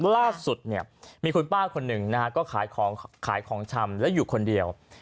ล่าสุดมีคุณป้าคนหนึ่งก็ขายของชำแล้วอยู่คนเดียว